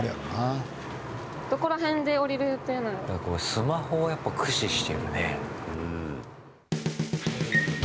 スマホを、やっぱ駆使してるね。